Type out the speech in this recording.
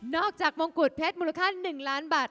นอกจากมงกุดเพชรมูลค่า๑๐๐๐๐๐๐๐๐๐บาท